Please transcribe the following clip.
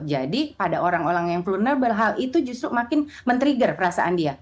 jadi pada orang orang yang vulnerable hal itu justru makin men trigger perasaan dia